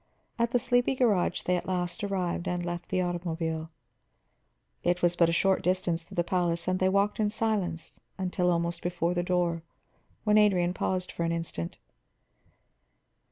At the sleepy garage they at last arrived, and left the automobile. It was but a short distance to the palace, and they walked in silence until almost before the door, when Adrian paused for an instant.